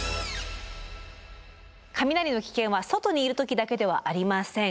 雷の危険は外にいる時だけではありません。